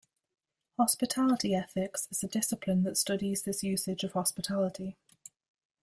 Hospitality ethics is a discipline that studies this usage of hospitality.